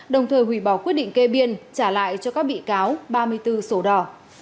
đồng thời hủy bỏ quyết định kê biên trả lại cho các bị cáo ba mươi bốn sổ đỏ